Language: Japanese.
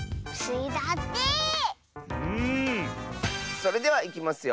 それではいきますよ。